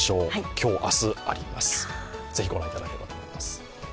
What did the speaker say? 今日、明日あります、ぜひご覧いただければと思います。